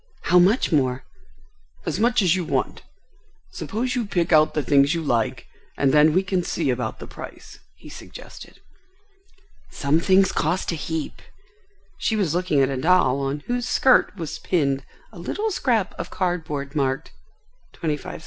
"How much more?" "As much as you want. Suppose you pick out the things you like and then we can see about the price," he suggested. "Some things cost a heap." She was looking at a doll on whose skirt was pinned a little scrap of card board marked, "25c."